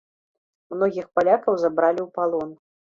Многіх палякаў забралі ў палон.